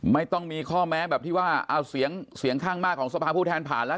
ไม่ต้องมีข้อแม้แบบที่ว่าเอาเสียงเสียงข้างมากของสภาผู้แทนผ่านแล้ว